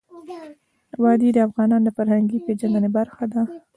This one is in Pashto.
وادي د افغانانو د فرهنګي پیژندنې برخه ده.